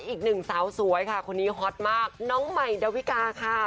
อีกหนึ่งสาวสวยค่ะคนนี้ฮอตมากน้องใหม่ดาวิกาค่ะ